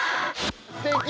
すてき！